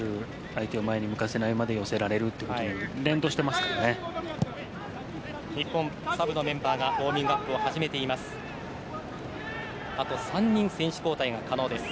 相手を前に向かせる前に寄せられるというところまで日本、サブのメンバーがウォーミングアップを始めています。